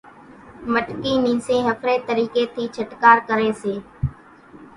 مٽڪي نيسين ۿڦري طريقي ٿي ڇٽڪار ڪري سي۔